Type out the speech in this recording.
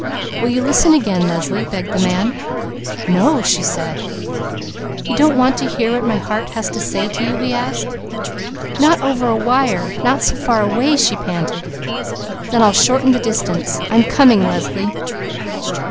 "Will you listen again, Leslie?" begged the man. "No!" she said. "You don't want to hear what my heart has to say to you?" he asked. "Not over a wire! Not so far away!" she panted. "Then I'll shorten the distance. I'm coming, Leslie!"